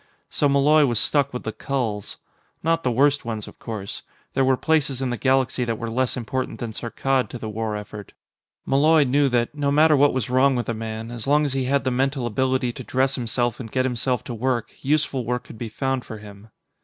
So Malloy was stuck with the culls. Not the worst ones, of course; there were places in the galaxy that were less important than Saarkkad to the war effort. Malloy knew that, no matter what was wrong with a man, as long as he had the mental ability to dress himself and get himself to work, useful work could be found for him.